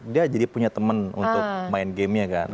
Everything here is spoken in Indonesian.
dia jadi punya teman untuk main gamenya kan